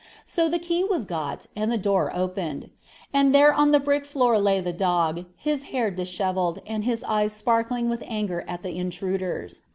So the key was got, and the door opened; and there on the bare brick floor lay the dog, his hair dishevelled, and his eyes sparkling with anger at the intruders.